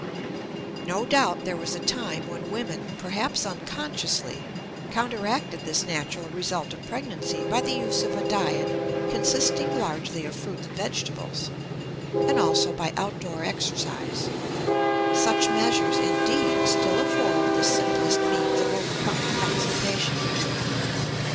No doubt there was a time when women, perhaps unconsciously, counteracted this natural result of pregnancy by the use of a diet consisting largely of fruit and vegetables and also by outdoor exercise. Such measures, indeed, still afford the simplest means of overcoming constipation.